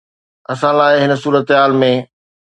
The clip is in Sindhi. اسان لاء هن صورتحال ۾